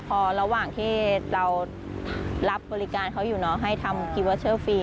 พอระหว่างที่เรารับบริการเขาอยู่น้องให้ทำกิเวอร์เชอร์ฟรี